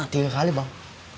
itu udah kali bang